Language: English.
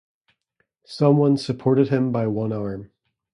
Someone supported him by one arm.